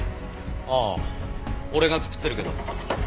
ああ俺が作ってるけど。